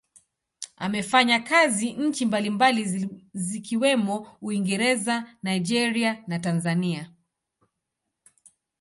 Amefanya kazi nchi mbalimbali zikiwemo Uingereza, Nigeria na Tanzania.